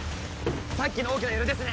さっきの大きな揺れですね